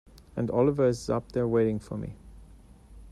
And Oliver is up there waiting for me.